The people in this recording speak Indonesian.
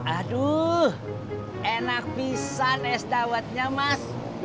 aduh enak pisan es dawatnya mas